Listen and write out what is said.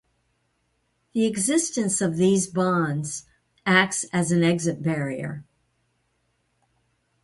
The existence of these bonds acts as an exit barrier.